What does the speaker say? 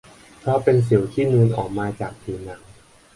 เพราะเป็นสิวที่นูนออกมาจากผิวหนัง